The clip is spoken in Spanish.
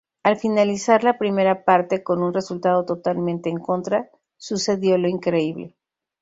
Al finalizar la primera parte, con un resultado totalmente en contra, sucedió lo increíble.